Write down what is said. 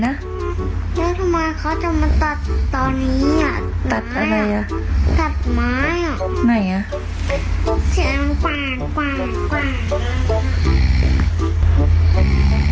ได้ทำไมเขาจะมาตัดตอนนี้